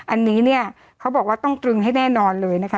อันนี้เนี่ยเขาบอกว่าต้องตรึงให้แน่นอนเลยนะคะ